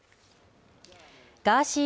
ガーシー